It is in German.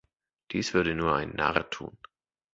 Dies würde nur ein "Narr" tun.